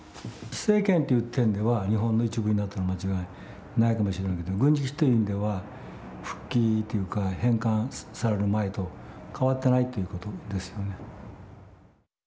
施政権という点では日本の一部になったのは間違いないかもしれないけど軍事基地という意味では復帰というか返還される前と変わってないということですよね。